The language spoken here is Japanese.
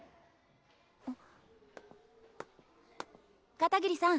片桐さん。